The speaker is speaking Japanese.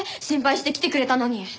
心配して来てくれたのに。